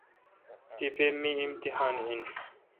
تی پہ می امتحان این۔